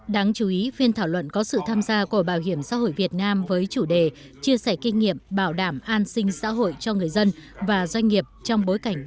đáng chú ý phiên thảo luận có sự tham gia của bảo hiểm xã hội việt nam với chủ đề chia sẻ kinh nghiệm bảo đảm an sinh xã hội cho người dân